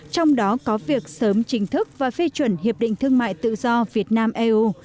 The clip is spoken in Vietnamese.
trong đó có việc sớm chính thức và phê chuẩn hiệp định thương mại tự do việt nam eu